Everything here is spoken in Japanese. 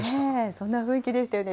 そんな雰囲気でしたよね。